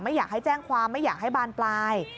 ไม่อยากให้แจ้งความไม่อยากให้บานปลาย